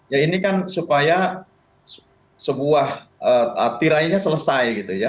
ya ini kan supaya sebuah tirainya selesai gitu ya